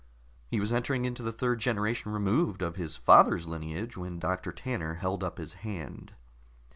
He was entering into the third generation removed of his father's lineage when Doctor Tanner held up his hand.